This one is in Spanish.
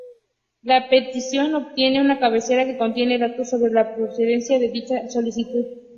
La petición obtiene una cabecera que contiene datos sobre la procedencia de dicha solicitud.